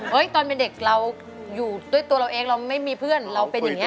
ตอนเป็นเด็กเราอยู่ด้วยตัวเราเองเราไม่มีเพื่อนเราเป็นอย่างนี้